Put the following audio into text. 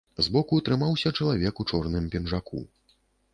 Збоку трымаўся чалавек у чорным пінжаку.